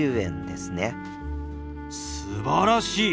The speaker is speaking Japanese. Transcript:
すばらしい！